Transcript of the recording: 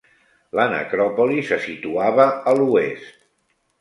La necròpoli se situava a l'oest.